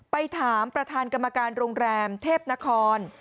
ไปถามประธานกรรมการโรงแรมเทพนคร